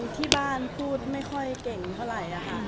ที่บ้านพูดไม่ค่อยเก่งเท่าไหร่ค่ะ